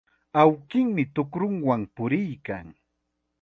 Awkinmi tukrunwan puriykan.